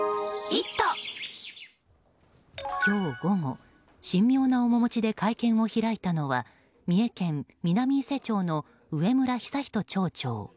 今日午後、神妙な面持ちで会見を開いたのは三重県南伊勢町の上村久仁町長。